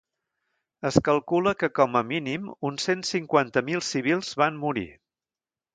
Es calcula que com a mínim uns cent cinquanta mil civils van morir.